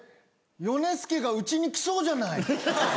ヨネスケがうちに来そうじゃない。